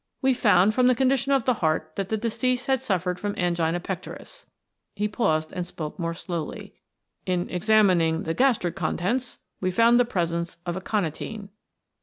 "We found from the condition of the heart that the deceased had suffered from angina pectoris" he paused and spoke more slowly "in examining the gastric contents we found the presence of aconitine."